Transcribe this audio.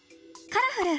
「カラフル！